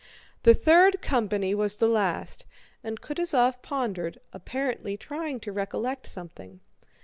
The third company was the last, and Kutúzov pondered, apparently trying to recollect something.